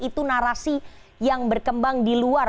itu narasi yang berkembang di luar